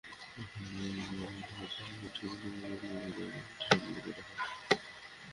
এখন ইজিএমের মাধ্যমে প্রতিষ্ঠান দুটিতে বিনিয়োগকারীদের অনুমতি নেওয়ার প্রক্রিয়াটি সম্পন্ন করা হবে।